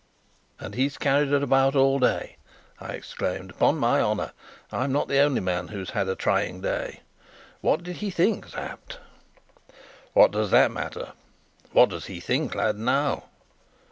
"And he's carried it about all day!" I exclaimed. "Upon my honour, I'm not the only man who's had a trying day! What did he think, Sapt?" "What does that matter? What does he think, lad, now?"